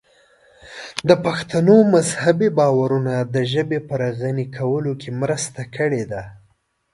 د پښتنو مذهبي باورونو د ژبې په غني کولو کې مرسته کړې ده.